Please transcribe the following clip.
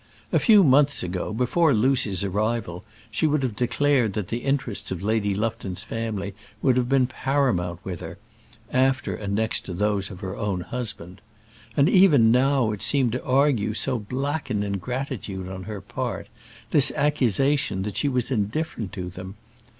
A few months ago, before Lucy's arrival, she would have declared that the interests of Lady Lufton's family would have been paramount with her, after and next to those of her own husband. And even now, it seemed to argue so black an ingratitude on her part this accusation that she was indifferent to them!